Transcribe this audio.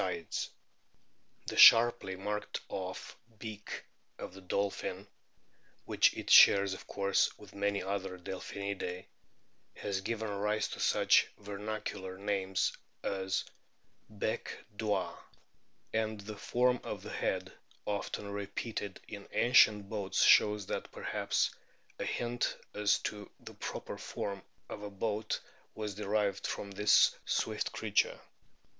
Bordeaux, 1881, 256 A BOOK OR WHALES The sharply marked off "beak" of the dolphin (which it shares of course with many other Del phinidae) has given rise to such vernacular names as " Bee d'Oie," and the form of the head often re peated in ancient boats shows that perhaps a hint as to the proper form of a boat was derived from this swift creature.